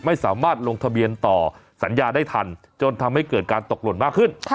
ไม่สามารถลงทะเบียนต่อสัญญาได้ทันจนทำให้เกิดการตกหล่นมากขึ้น